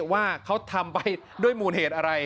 ว่าเขาทำไปด้วยมูลเหตุอะไร